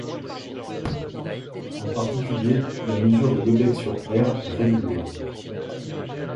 En particulier, la mesure de Lebesgue sur ℝ est régulière.